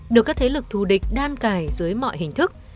được các thế lực thù địch đan cài dưới mọi hình thức